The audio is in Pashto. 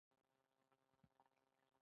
افغانستان له د ریګ دښتې ډک دی.